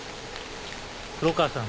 黒川さん